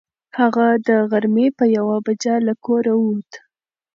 هغه د غرمې په یوه بجه له کوره ووت.